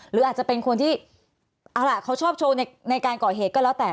หรืออาจจะเป็นคนที่เอาล่ะเขาชอบโชว์ในการก่อเหตุก็แล้วแต่